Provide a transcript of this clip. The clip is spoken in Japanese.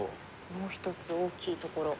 もう１つ大きいところ。